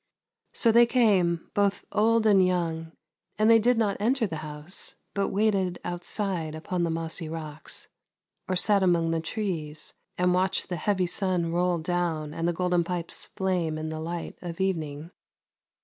So they came both old and young, and they did not enter the house, but waited outside, upon the mossy rocks, or sat among the trees, and watched the heavy sun roll down and the Golden Pipes flame in the light of evening.